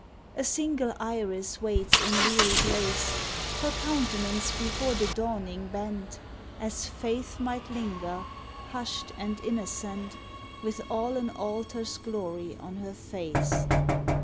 A single iris waits in weary grace — Her countenance before the dawning bent, As Faith might linger, husht and innocent. With all an altar's glory on her face.